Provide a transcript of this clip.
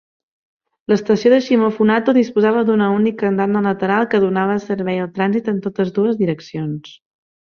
L'estació de Shimofunato disposava d'una única andana lateral que donava servei al trànsit en totes dues direccions.